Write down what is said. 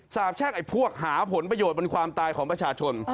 แช่งไอ้พวกหาผลประโยชน์บนความตายของประชาชน